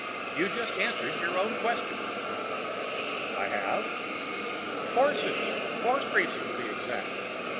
You've just answered your own question." "I have?" "Horses! Horse racing, to be exact.